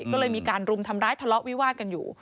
ก็เลยมีการรุมทำร้ายทะเลาะวิวาดกันอยู่